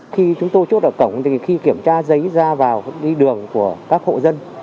khi chúng tôi chốt ở cổng thì khi kiểm tra giấy ra vào đi đường của các hộ dân